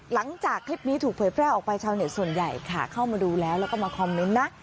หลังจากคลิปนี้ถูกเผยแพร่ออกไปชาวเน็ตส่วนใหญ่ค่ะเข้ามาดูแล้วแล้วก็มาคอมเมนต์นะ